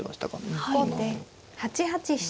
後手８八飛車。